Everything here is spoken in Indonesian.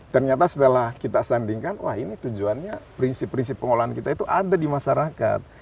ternyata setelah kita sandingkan wah ini tujuannya prinsip prinsip pengolahan kita itu ada di masyarakat